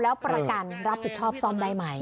แล้วประกันรับผิดชอบซ่อมได้ไหม